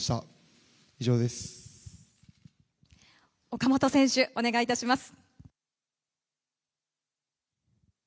岡本選手、お願いいたします。